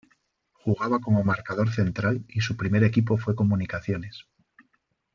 Jugaba como marcador central y su primer equipo fue Comunicaciones.